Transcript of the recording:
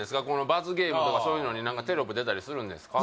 罰ゲームとかそういうのに何かテロップ出たりするんですか？